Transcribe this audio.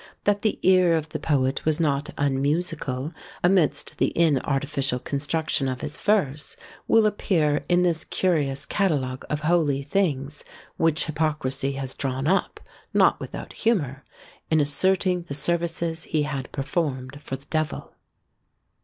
That the ear of the poet was not unmusical, amidst the inartificial construction of his verse, will appear in this curious catalogue of holy things, which Hypocrisy has drawn up, not without humour, in asserting the services he had performed for the Devil.